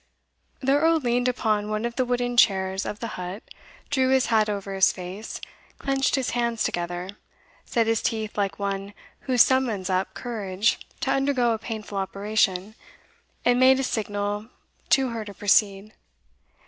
The Earl leaned upon one of the wooden chairs of the hut, drew his hat over his face, clenched his hands together, set his teeth like one who summons up courage to undergo a painful operation, and made a signal to her to proceed.